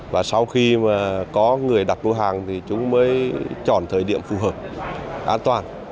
và sau khi mà có người đặt mua hàng thì chúng mới chọn thời điểm phù hợp an toàn